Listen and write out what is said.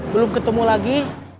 belum ketemu lagi